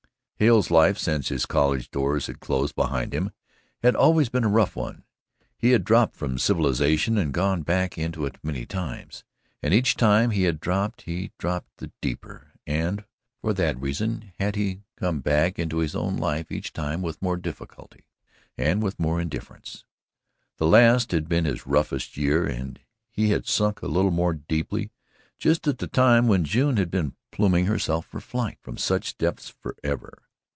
Hale's life, since his college doors had closed behind him, had always been a rough one. He had dropped from civilization and had gone back into it many times. And each time he had dropped, he dropped the deeper, and for that reason had come back into his own life each time with more difficulty and with more indifference. The last had been his roughest year and he had sunk a little more deeply just at the time when June had been pluming herself for flight from such depths forever.